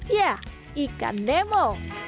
ya ikan demo